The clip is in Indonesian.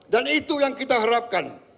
dan itu yang kita harapkan